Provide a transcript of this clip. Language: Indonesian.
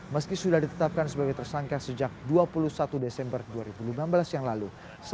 meski sudah ditetapkan sebagai tersangka sejak dua puluh satu desember dua ribu lima belas yang lalu